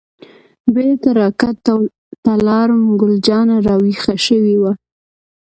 بیرته را کټ ته لاړم، ګل جانه راویښه شوې وه.